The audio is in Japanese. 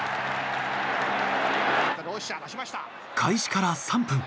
開始から３分。